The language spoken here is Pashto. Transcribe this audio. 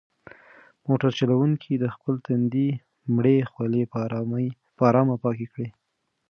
موټر چلونکي د خپل تندي مړې خولې په ارامه پاکې کړې.